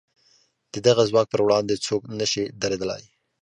د دغه ځواک پر وړاندې څوک نه شي درېدلای.